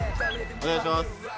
お願いします。